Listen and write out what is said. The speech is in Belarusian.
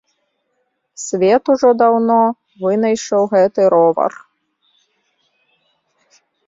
Свет ўжо даўно вынайшаў гэты ровар.